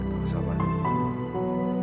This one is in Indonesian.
kau pakein ya